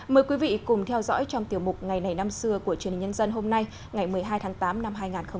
mời quý vị cùng theo dõi trong tiểu mục ngày này năm xưa của truyền hình nhân dân hôm nay ngày một mươi hai tháng tám năm hai nghìn hai mươi